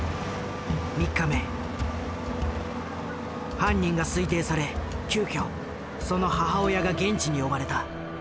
犯人が推定され急遽その母親が現地に呼ばれた。